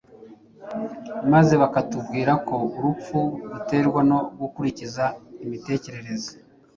maze hakatubwira ko urupfu ruterwa no gukurikiza imitekerereze